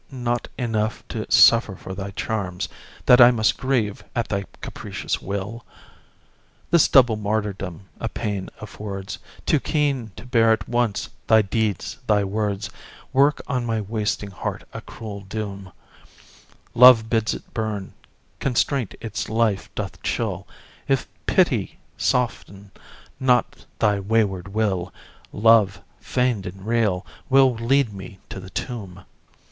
Is't not enough to suffer for thy charms That I must grieve at thy capricious will? This double martyrdom a pain affords Too keen to bear at once; thy deeds, thy words, Work on my wasting heart a cruel doom, Love bids it burn; constraint its life doth chill. If pity soften not thy wayward will, Love, feigned and real, will lead me to the tomb."